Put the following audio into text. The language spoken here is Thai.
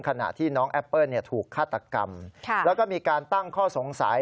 ขณะที่น้องแอปเปิ้ลถูกฆาตกรรมแล้วก็มีการตั้งข้อสงสัย